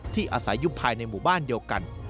อาศัยอยู่ภายในหมู่บ้านเดียวกัน